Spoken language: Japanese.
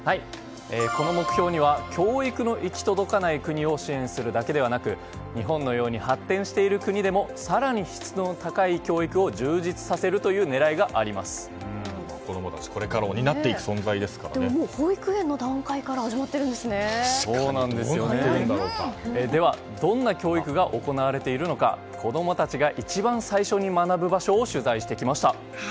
この目標には教育の行き届かない国を支援するだけではなく日本のように発展している国でも更に質の高い教育を子供たち、これからを保育園の段階からでは、どんな教育が行われているのか子供たちが一番最初に学ぶ場所を取材してきました。